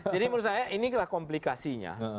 jadi menurut saya ini adalah komplikasinya